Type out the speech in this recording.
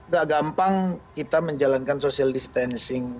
gak gampang kita menjalankan social distancing